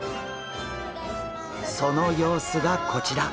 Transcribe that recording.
その様子がこちら。